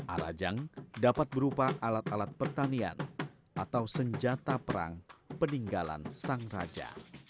arajang dapat berupa alat alat pertanian atau senjata perang peninggalan sang raja